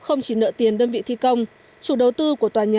không chỉ nợ tiền đơn vị thi công chủ đầu tư của tòa nhà ct năm a b